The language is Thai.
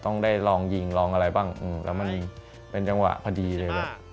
ต้องได้ลองยิงลองอะไรบ้างแล้วมันเป็นจังหวะพอดีเลยแบบ